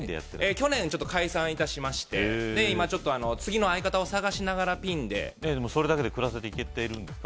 去年ちょっと解散致しまして今次の相方を探しながらピンでそれだけで暮らせていけてるんですか？